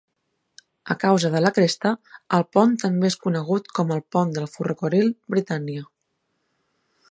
A causa de la cresta, el pont també és conegut com el pont del ferrocarril Britannia.